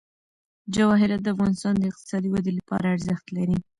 جواهرات د افغانستان د اقتصادي ودې لپاره ارزښت لري.